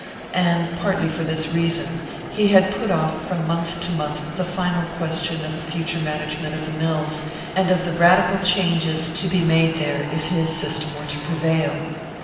And, partly for this reason, he had put off from month to month the final question of the future management of the mills, and of the radical changes to be made there if his system were to prevail.